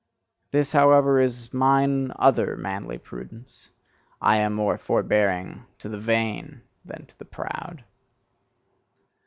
This, however, is mine other manly prudence: I am more forbearing to the VAIN than to the proud.